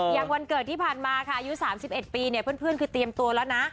วันเกิดที่ผ่านมาค่ะอายุ๓๑ปีเนี่ยเพื่อนคือเตรียมตัวแล้วนะ